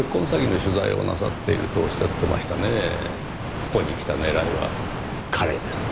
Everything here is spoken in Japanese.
ここに来た狙いは彼ですね？